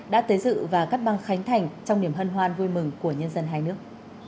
đã tới dự và cắt băng khánh thành trong niềm hân hoan vui mừng của nhân dân hai nước